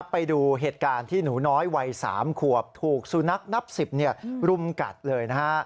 ไปดูเหตุการณ์ที่หนูน้อยวัย๓ขวบถูกสุนัขนับ๑๐รุมกัดเลยนะฮะ